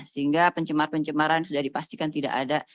sehingga pencemar pencemaran sudah dipastikan tidak ada